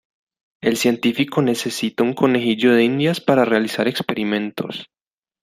El científico necesita un "conejillo de Indias" para realizar experimentos.